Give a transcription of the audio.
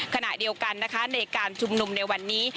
ขณะเดียวกันนะคะในการชุมนุมในวันนี้